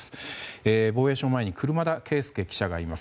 防衛省前に車田慶介記者がいます。